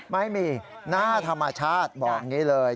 ไม่มีหน้าธรรมชาติบอกอย่างนี้เลย